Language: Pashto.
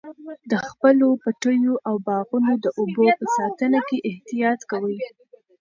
د خپلو پټیو او باغونو د اوبو په ساتنه کې احتیاط کوئ.